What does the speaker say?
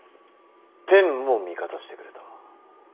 天も味方してくれた。